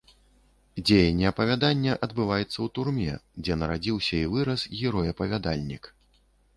Дзеянне апавядання адбываецца ў турме, дзе нарадзіўся і вырас герой-апавядальнік.